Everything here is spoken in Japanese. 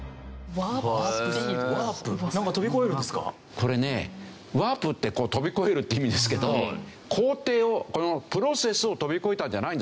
これねワープって飛び越えるって意味ですけど工程をこのプロセスを飛び越えたんじゃないんですよ。